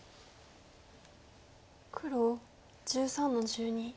黒１３の十二。